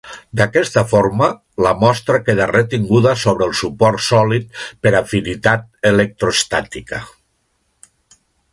D'aquesta forma, la mostra queda retinguda sobre el suport sòlid per afinitat electroestàtica.